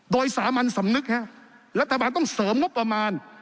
โดยสามัญสำนึกรัฐบาลต้องเสริมงบประมาณ